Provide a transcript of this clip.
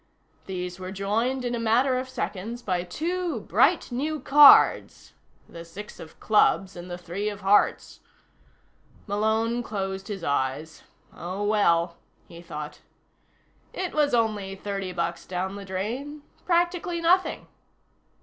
These were joined, in a matter of seconds, by two bright new cards: the six of clubs and the three of hearts. Malone closed his eyes. Oh, well, he thought. It was only thirty bucks down the drain. Practically nothing.